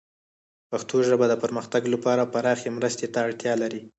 پښتو ژبه د پرمختګ لپاره پراخې مرستې ته اړتیا لري.